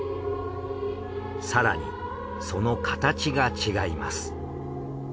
更にその形が違います。